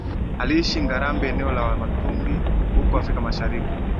Aliishi Ngarambe eneo la Wamatumbi huko Afrika Mashariki